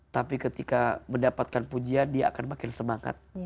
tapi ketika mendapatkan pujian dia akan makin semangat